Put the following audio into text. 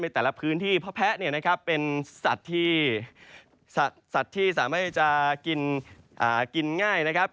แต่ละพื้นที่เพราะแพ้เนี่ยนะครับเป็นสัตว์ที่สัตว์ที่สามารถจะกินง่ายนะครับ